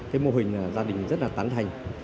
cái mô hình gia đình rất là tán thành